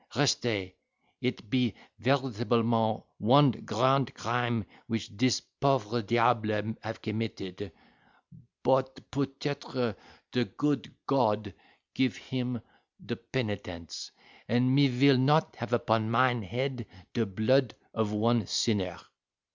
restez, it be veritablement one grand crime which dis pauvre diable have committed—bot peut etre de good God give him de penitence, and me vill not have upon mine head de blood of one sinner."